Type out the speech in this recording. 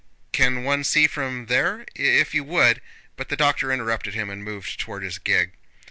"Can one see from there?... If you would..." But the doctor interrupted him and moved toward his gig.